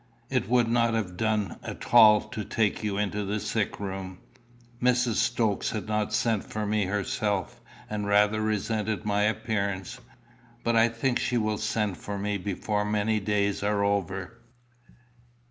It would not have done at all to take you into the sick room. Mrs. Stokes had not sent for me herself, and rather resented my appearance. But I think she will send for me before many days are over."